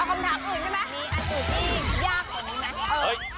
เอาคำถามอื่นใช่ไหม